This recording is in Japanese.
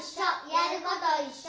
やることいっしょ！